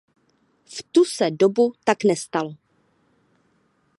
V tu se dobu tak nestalo.